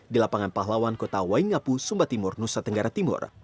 di lapangan pahlawan kota waingapu sumba timur nusa tenggara timur